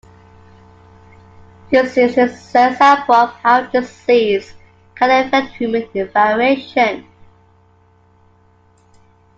This is an example of how disease can affect human variation.